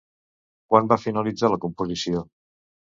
Quan va finalitzar la composició?